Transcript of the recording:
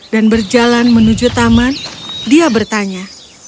dan berjalan menuju taman dia bertanya